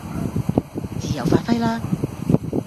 自由發揮啦